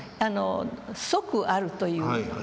即あるという。